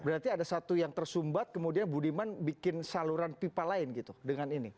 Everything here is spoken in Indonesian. berarti ada satu yang tersumbat kemudian budiman bikin saluran pipa lain gitu dengan ini